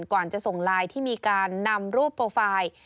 ก่อนจะส่งไลน์ที่มีการนำรูปโปรไฟล์